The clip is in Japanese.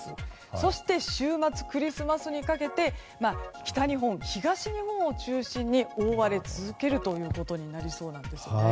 そして週末、クリスマスにかけて北日本、東日本を中心に大荒れ続けることになりそうなんです。